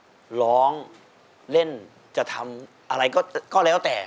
จะร้องเล่นจะทำอะไรก็แล้วแต่